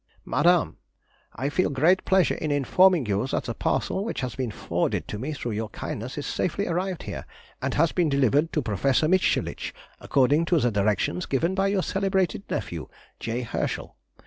MADAME,— I feel great pleasure in informing you that the parcel which has been forwarded to me through your kindness is safely arrived here, and has been delivered to Professor Mitscherlich, according to the directions given by your celebrated nephew, J. Herschel.